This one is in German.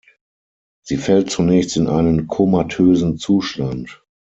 Sie fällt zunächst in einen komatösen Zustand.